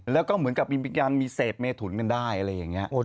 แล้วก็เหมือนกับวิญญาณมีเสพเมถุนกันได้อะไรอย่างนี้